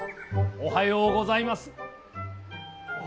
おはようございます。